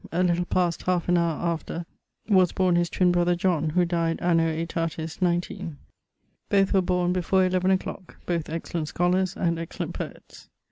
A little past halfe an hower after was born his twin brother John, who died anno aetatis 19º. Both were borne before eleaven a clock; both excellent scholars; and excellent poets.